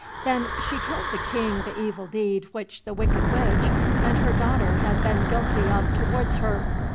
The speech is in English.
Then she told the King the evil deed which the wicked witch and her daughter had been guilty of towards her.